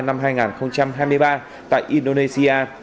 năm hai nghìn hai mươi ba tại indonesia